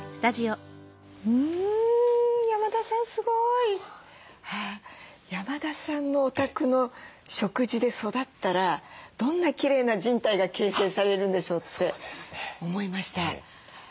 うん山田さんすごい！山田さんのお宅の食事で育ったらどんなきれいな人体が形成されるんでしょうって思いました。